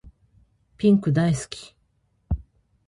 ピンク大好き